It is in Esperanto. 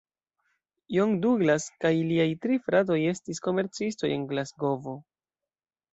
John Douglas kaj liaj tri fratoj estis komercistoj en Glasgovo.